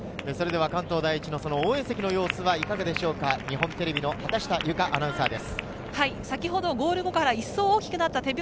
関東第一の応援席の様子はいかがでしょうか、畑下由佳アナウンサーです。